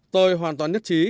tôi hoàn toàn nhất trí